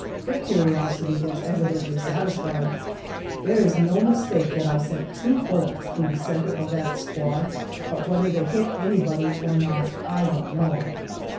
Their curiosity was evidently satisfied. There is no mistake that I sent two bullets through the center of that squad, but whether they hit anybody or not I don't know.